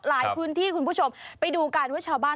หลายพื้นที่คุณผู้ชมไปดูกันว่าชาวบ้าน